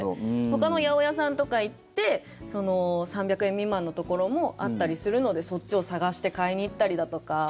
ほかの八百屋さんとか行って３００円未満のところもあったりするのでそっちを探して買いに行ったりだとか。